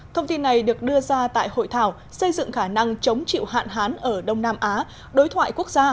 thông tin này được đưa ra tại hội thảo xây dựng khả năng chống chịu hạn hán ở đông nam á đối thoại quốc gia